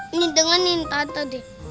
ini dengan ini tante deh